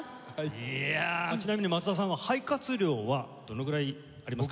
いやちなみに松田さんは肺活量はどのぐらいありますか？